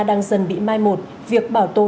đang dần bị mai một